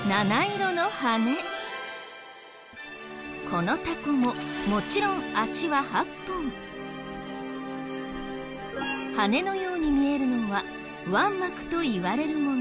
このタコももちろん羽のように見えるのは腕膜といわれるもの。